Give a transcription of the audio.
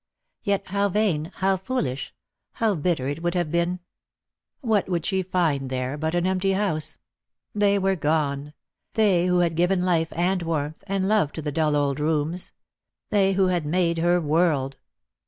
Yet how vain, how foolish, how 1 atter it would have been ! What would she find there but an empty house P They were gone; they who had given life, and warmth, and love to the dull old rooms; they who had made her world.